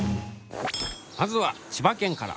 まずは千葉県から。